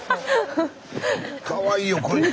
かわいいよこいつ。